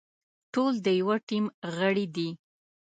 ټول د يوه ټيم غړي دي.